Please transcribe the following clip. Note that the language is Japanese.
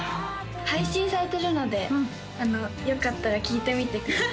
配信されてるのでよかったら聴いてみてください